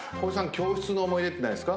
教室の思い出ってないですか？